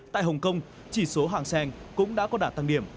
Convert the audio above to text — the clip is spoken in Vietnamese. tại hồng kông chỉ số hàng sen cũng đã có đả tăng điểm